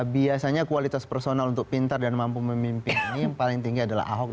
biasanya kualitas personal untuk pintar dan mampu memimpin ini yang paling tinggi adalah ahok